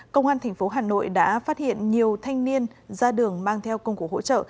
công an tp hà nội đã phát hiện nhiều thanh niên ra đường mang theo công cụ hỗ trợ